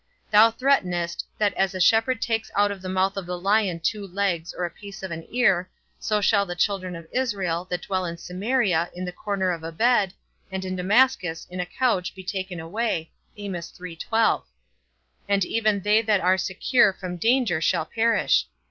Thou threatenest, that _as a shepherd takes out of the mouth of the lion two legs, or a piece of an ear, so shall the children of Israel, that dwell in Samaria, in the corner of a bed, and in Damascus, in a couch, be taken away_; and even they that are secure from danger shall perish.